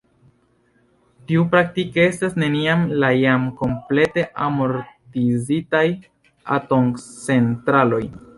Tiu praktike estas neniam la jam komplete amortizitaj atomcentraloj.